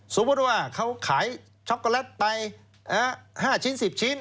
สมมุติว่าเขาขายช็อกโกแลตไป๕ชิ้น๑๐ชิ้น